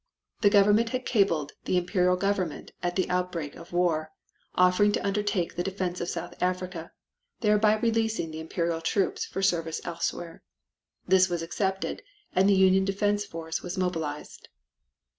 The government had cabled to the Imperial Government at the outbreak of war, offering to undertake the defense of South Africa, thereby releasing the Imperial troops for service elsewhere. This was accepted, and the Union Defense Force was mobilized."